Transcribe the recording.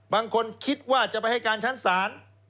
บางคนคิดว่าจะไปให้การชั้นศาล